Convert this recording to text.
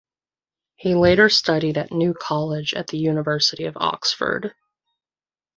He later studied at New College at the University of Oxford.